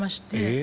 え。